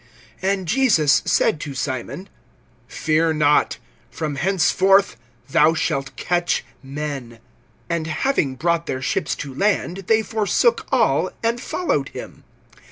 And Jesus said to Simon: Fear not; from henceforth thou shalt catch men. (11)And having brought their ships to land, they forsook all, and followed him.